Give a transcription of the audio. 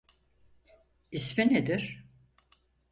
İsmi nedir?